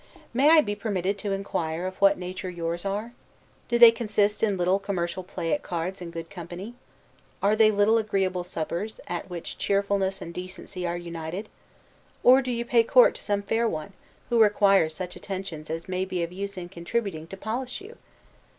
May I be permitted to inquire of what nature yours are? Do they consist in little commercial play at cards in good company? are they little agreeable suppers, at which cheerfulness and decency are united? or, do you pay court to some fair one, who requires such attentions as may be of use in contributing to polish you?